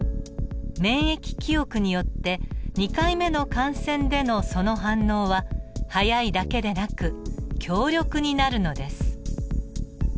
免疫記憶によって２回目の感染でのその反応は速いだけでなく強力になるのです。